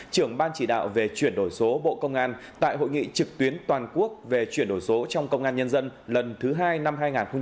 trưởng ban chỉ đạo về chuyển đổi số bộ công an tại hội nghị trực tuyến toàn quốc về chuyển đổi số trong công an nhân dân lần thứ hai năm hai nghìn hai mươi ba